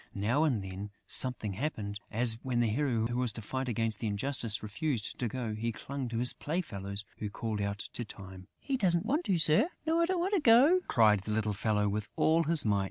Now and then, something happened, as when the hero who was to fight against injustice refused to go. He clung to his playfellows, who called out to Time: "He doesn't want to, Sir!" "No, I don't want to go," cried the little fellow, with all his might.